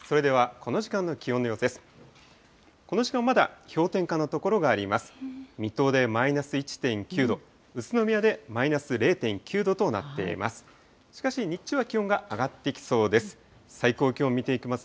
この時間、まだ氷点下の所があります。